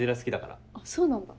あっそうなんだ。